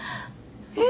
え？